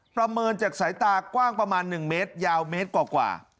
ประเมินจากสายตากว้างประมาณ๑เมตรยาวเมตรกว่า